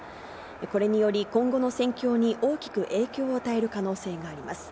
これにより今後の戦況に大きく影響を与える可能性があります。